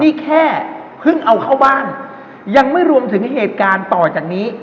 นี่แค่เพิ่งเอาเข้าบ้านยังไม่รวมถึงเหตุการณ์ต่อจากนี้